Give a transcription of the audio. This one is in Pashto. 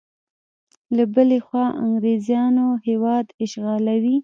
له بلې خوا انګریزیان هیواد اشغالوي.